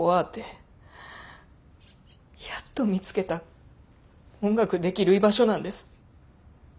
やっと見つけた音楽できる居場所なんです。